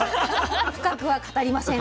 深くは語りません。